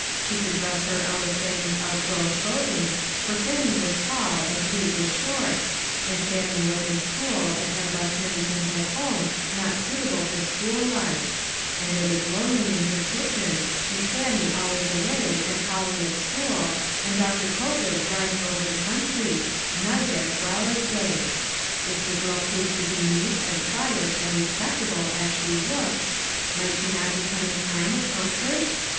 She could dress her out of Fannie's outgrown clothing, for Fannie was tall, and Kate was short, and Fannie was in school and had left many things at home not suitable for school life ; and it was lonely in her kitchen, with Fannie always away, and Holly at school, and Doctor Copeland riding over the country, night as well as day. If the girl proved to be neat and quiet and respectable as she looked, might she not become in time a comfort?